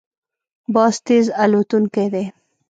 باز تېز الوتونکی دی